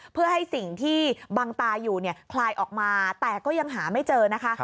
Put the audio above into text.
เพื่อให้สิ่งที่บังตาอยู่คลายออกมาแต่ก็ยังหาไม่เจอนะคะ